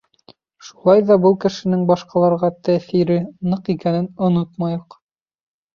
Шулай ҙа был кешенең башҡаларға тәъҫире ныҡ икәнен онотмайыҡ.